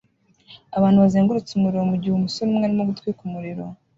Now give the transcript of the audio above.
abantu bazengurutse umuriro mu gihe umusore umwe arimo gutwika umuriro